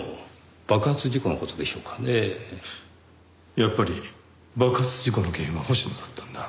やっぱり爆発事故の原因は星野だったんだ。